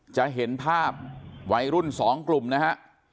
จะเห็นภาพวัยรุ่น๒กลุ่มนะฮะ